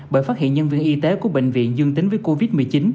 bởi phát hiện nhân viên y tế của bệnh viện dương tính với covid một mươi chín